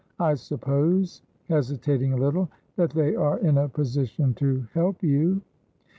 I suppose" hesitating a little "that they are in a position to help you?"